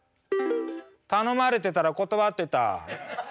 「頼まれてたら断ってた」。